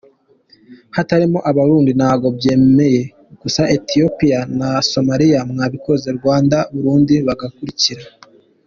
Hatarimo abarundi ntago mbyemeye gusa Ethiopie na Somalia mwabikoze Rda Burundi bagakurikira.